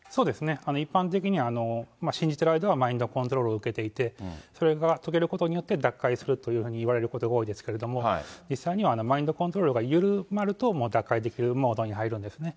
一般的には信じている間はマインドコントロールを受けていて、それが解けることによって、脱会するというふうにいわれることが多いですけれども、実際にはマインドコントロールが緩まると、脱会できるモードに入るんですね。